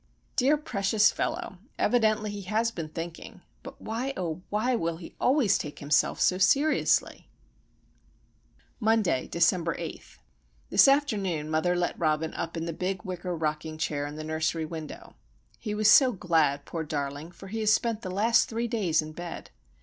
Dear, precious fellow! Evidently he has been thinking,—but, why, oh why, will he always take himself so seriously? Monday, December 8. This afternoon mother let Robin up in the big wicker rocking chair in the nursery window. He was so glad, poor darling;—for he has spent the last three days in bed.